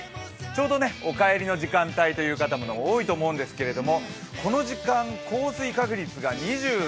ちょうどお帰りの時間帯という方も多いと思うんですけどこの時間、降水確率が２３％。